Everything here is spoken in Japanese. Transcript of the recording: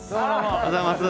おはようございます！